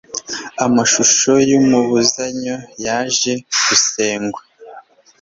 amashusho y'amabazanyo yaje gusengwa